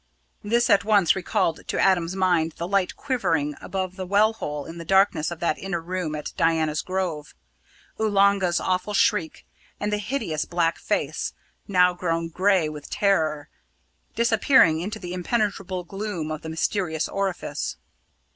This at once recalled to Adam's mind the light quivering above the well hole in the darkness of that inner room at Diana's Grove, Oolanga's awful shriek, and the hideous black face, now grown grey with terror, disappearing into the impenetrable gloom of the mysterious orifice.